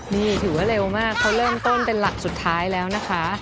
นี่ถือว่าเร็วมากเขาเริ่มต้นเป็นหลักสุดท้ายแล้วนะคะ